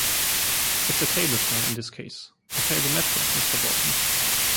It's a cable car, in this case! A cable metro, Mr. Baupin.